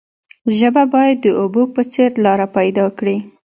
ژبه باید د اوبو په څیر لاره پیدا کړي.